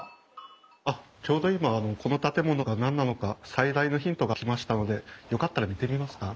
あっちょうど今この建物が何なのか最大のヒントが来ましたのでよかったら見てみますか？